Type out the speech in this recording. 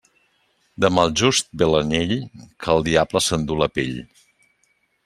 De maljust ve l'anyell, que el diable s'enduu la pell.